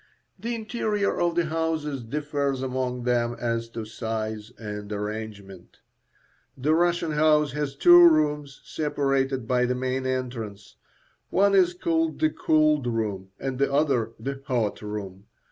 The interior of the houses differs among them as to size and arrangement. The Russian house has two rooms, separated by the main entrance. One is called the cold room and the other the hot room.